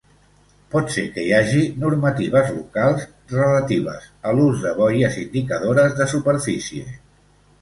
Pot ser que hi hagi normatives locals relatives a l'ús de boies indicadores de superfície.